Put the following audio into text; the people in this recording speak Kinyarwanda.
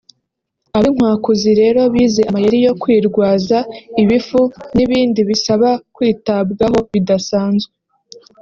Ab’inkwakuzi rero bize amayeri yo kwirwaza ibifu n’ibindi bisaba kwitabwaho bidasanzwe